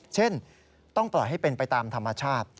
เช่นต้องปล่อยให้เป็นไปตามธรรมชาติ